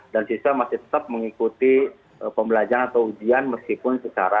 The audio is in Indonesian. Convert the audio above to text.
dan siswa m enriched setemik mengikuti pembelasan aux ujian meskipun secara darurat